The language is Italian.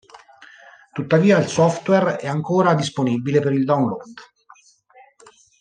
Tuttavia, il software è ancora disponibile per il download.